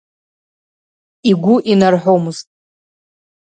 Игәы инарҳәомызт.